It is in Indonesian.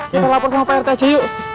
kita lapor sama pak rt aja yuk